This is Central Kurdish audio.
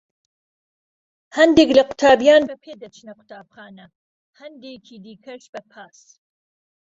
هەندێک لە قوتابیان بە پێ دەچنە قوتابخانە، هەندێکی دیکەش بە پاس.